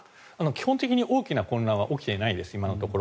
基本的に大きな混乱は今のところ起きていないです。